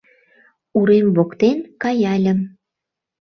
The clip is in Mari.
Урем воктен каяльым -